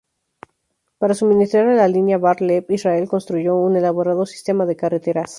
Para suministrar a la línea Bar Lev, Israel construyó un elaborado sistema de carreteras.